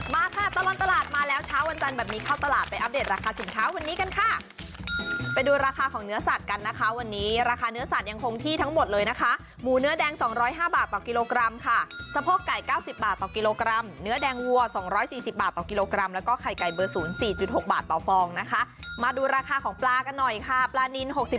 มาค่ะตลอดตลาดมาแล้วเช้าวันจันทร์แบบนี้เข้าตลาดไปอัปเดตราคาสินเช้าวันนี้กันค่ะไปดูราคาของเนื้อสัตว์กันนะคะวันนี้ราคาเนื้อสัตว์ยังคงที่ทั้งหมดเลยนะคะหมูเนื้อแดงสองร้อยห้าบาทต่อกิโลกรัมค่ะสะพกไก่เก้าสิบบาทต่อกิโลกรัมเนื้อแดงวัวสองร้อยสี่สิบบาทต่อกิโลกรัมแล้วก็ไ